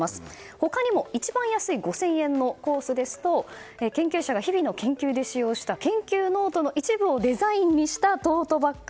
他にも、一番安い５０００円のコースですと研究者が日々の研究で使用した研究ノートの一部をデザインにしたトートバッグ。